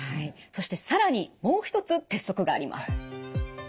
そして更にもう一つ鉄則があります。